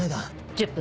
１０分。